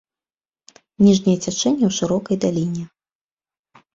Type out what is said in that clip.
Ніжняе цячэнне ў шырокай даліне.